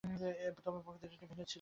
তবে প্রকৃতিটা একটু ভিন্ন ছিল।